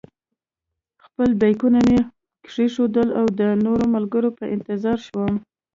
خپل بېکونه مې کېښودل او د نورو ملګرو په انتظار شوم.